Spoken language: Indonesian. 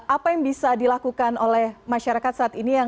apa yang bisa dilakukan oleh masyarakat saat ini